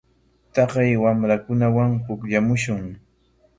Taqay wamrakunawan pukllamushun.